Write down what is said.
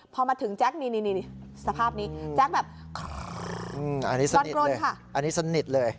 พอมาถึงแจ๊กนี่สภาพนี้แจ๊กแบบอันนี้สนิทเลย